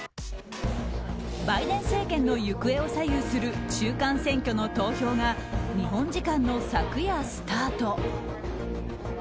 バイデン政権の行方を左右する中間選挙の投票が日本時間の昨夜、スタート。